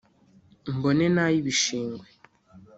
mbone n’ay’ibishingwe